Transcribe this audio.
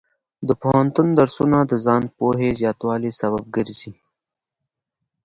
د پوهنتون درسونه د ځان پوهې زیاتوالي سبب ګرځي.